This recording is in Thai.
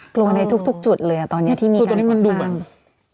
กลัวในทุกทุกจุดเลยอ่ะตอนเนี้ยที่มีการสร้างคือตรงนี้มันดูแบบ